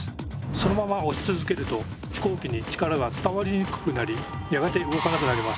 そのまま押し続けると飛行機に力が伝わりにくくなりやがて動かなくなります。